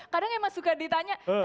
kadang emang suka ditanya